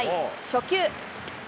初球。